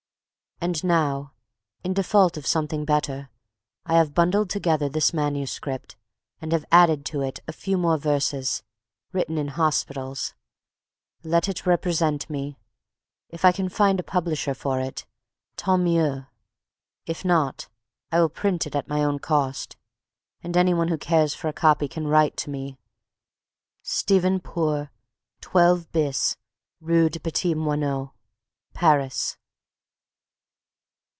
And now, in default of something better, I have bundled together this manuscript, and have added to it a few more verses, written in hospitals. Let it represent me. If I can find a publisher for it, tant mieux. If not, I will print it at my own cost, and any one who cares for a copy can write to me Stephen Poore, 12 bis, Rue des Petits Moineaux, Paris.